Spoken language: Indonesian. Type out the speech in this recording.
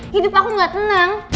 hidup aku gak tenang